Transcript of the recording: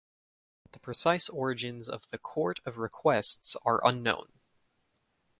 The precise origins of the Court of Requests are unknown.